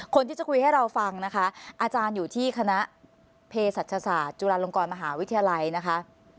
คนที่จะคุยให้เราฟังนะคะอาจารย์อยู่ที่คณะเพศศาสตร์จุฬาลงกรมหาวิทยาลัยนะคะ